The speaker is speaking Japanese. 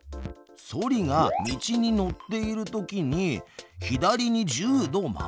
ソリが道に乗っているときに「左に１０度回す」。